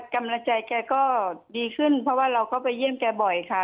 กำลังใจแกก็ดีขึ้นเพราะว่าเราก็ไปเยี่ยมแกบ่อยค่ะ